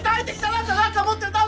なんか持ってない！？